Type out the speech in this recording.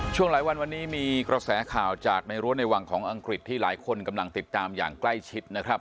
ช่วงหลายวันวันนี้มีกระแสข่าวจากในรั้วในวังของอังกฤษที่หลายคนกำลังติดตามอย่างใกล้ชิดนะครับ